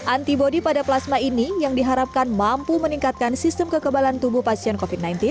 antibody pada plasma ini yang diharapkan mampu meningkatkan sistem kekebalan tubuh pasien covid sembilan belas